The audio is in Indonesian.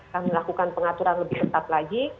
mereka melakukan pengaturan lebih tetap lagi